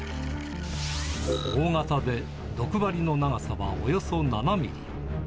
大型で毒針の長さはおよそ７ミリ。